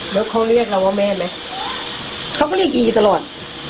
แล้วเขาเรียกเราว่าแม่ไหมเขาก็เรียกอีตลอด